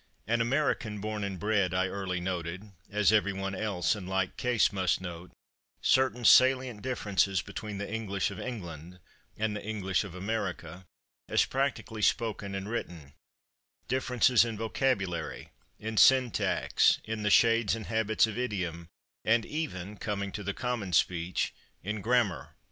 An American born and bred, I early noted, as everyone else in like case must note, certain salient differences between the English of England and the English of America as practically spoken and written differences in vocabulary, in syntax, in the shades and habits of idiom, and even, coming to the common speech, in grammar.